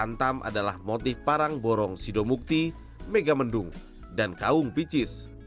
antam adalah motif parang borong sidomukti megamendung dan kaung picis